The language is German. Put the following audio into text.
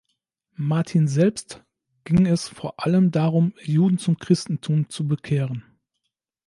Martin selbst ging es vor allem darum, Juden zum Christentum zu bekehren.